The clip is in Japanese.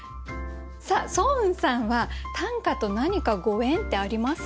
さあ双雲さんは短歌と何かご縁ってありますか？